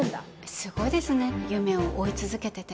すごいですね夢を追い続けてて。